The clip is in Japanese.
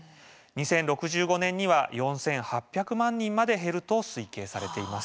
２０６５年には４８００万人まで減ると推計されています。